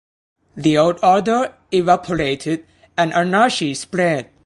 The old order evaporated and anarchy spread.